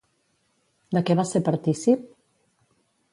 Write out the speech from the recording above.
De què va ser partícip?